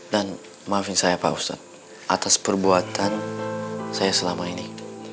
dan maafkan saya pak ustad atas perbuatan saya selama ini